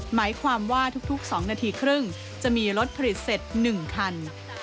หมายความว่าทุก๒นาทีครึ่งจะมีรถผลิตเสร็จ๑คัน